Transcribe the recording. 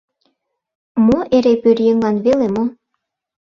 Мо, эре пӧръеҥлан веле мо?